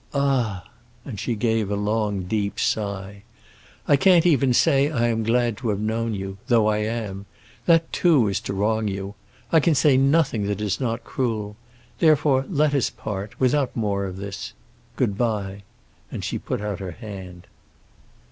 Ah!" and she gave a long, deep sigh, "I can't even say I am glad to have known you—though I am. That too is to wrong you. I can say nothing that is not cruel. Therefore let us part, without more of this. Good bye!" And she put out her hand.